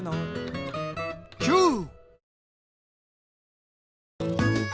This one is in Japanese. キュー！